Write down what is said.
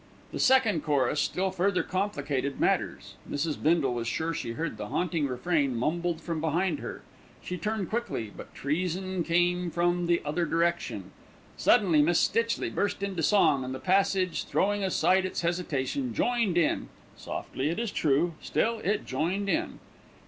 The second chorus still further complicated matters. Mrs. Bindle was sure she heard the haunting refrain mumbled from behind her. She turned quickly; but treason came from the other direction. Suddenly Miss Stitchley burst into song, and the passage, throwing aside its hesitation, joined in, softly it is true, still it joined in.